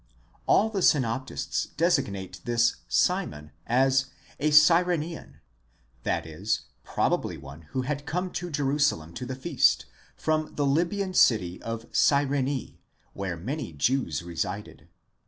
All the synoptists desig nate this Simon as a Cyrenian, i.e. probably one who had come to Jerusalem to the feast, from the Libyan city of Cyrene, where many Jews resided.